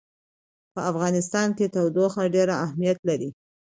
په افغانستان کې تودوخه ډېر اهمیت لري.